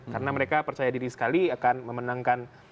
karena mereka percaya diri sekali akan memenangkan